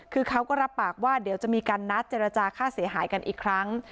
คือเขาก็รับปากว่าเดี๋ยวจะมีการนัดเจรจาค่าเสียหายกันอีกครั้ง